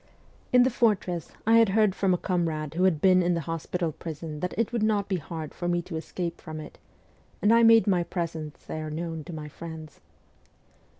In the fortress I had heard from a comrade who had been in the hospital prison that it would not be hard for me to escape from it, and I made my presence there known to my friends.